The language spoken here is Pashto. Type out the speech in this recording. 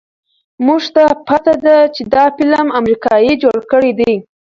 مونږ ته پته ده چې دا فلم امريکې جوړ کړے دے